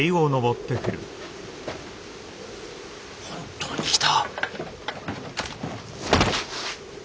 本当に来た。